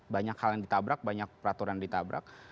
banyak hal yang ditabrak banyak peraturan ditabrak